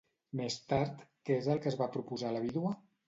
Més tard, què és el que es va proposar la vídua?